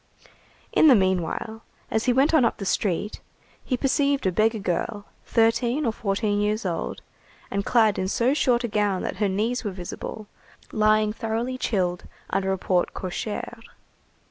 In the meanwhile, as he went on up the street, he perceived a beggar girl, thirteen or fourteen years old, and clad in so short a gown that her knees were visible, lying thoroughly chilled under a porte cochère.